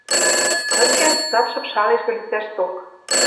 Кычен, цат шыпшалеш ӧлицӓшток.